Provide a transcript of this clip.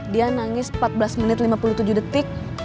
dia nangis empat belas menit lima puluh tujuh detik